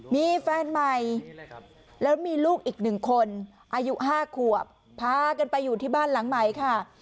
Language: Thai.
มีแฟนใหม่แล้วมีลูกอีก๑คนอายุ๕ขวบพากันไปอยู่ที่บ้านหลังใหม่ค่ะ